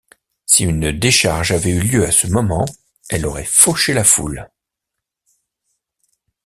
Si une décharge avait eu lieu à ce moment, elle aurait fauché la foule.